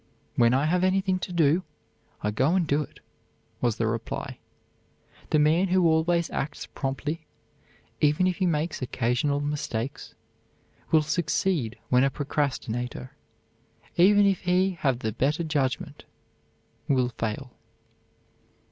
"When I have anything to do, I go and do it," was the reply. The man who always acts promptly, even if he makes occasional mistakes, will succeed when a procrastinator, even if he have the better judgment, will fail.